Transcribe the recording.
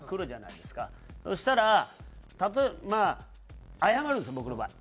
そしたらまあ謝るんです僕の場合。